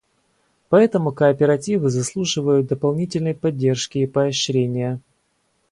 Поэтому кооперативы заслуживают дополнительной поддержки и поощрения.